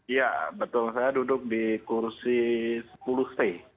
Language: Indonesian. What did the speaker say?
iya betul saya duduk di kursi sepuluh c